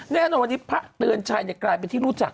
แน่นอนวันนี้พระเตือนชัยกลายเป็นที่รู้จัก